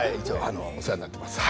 お世話になっています。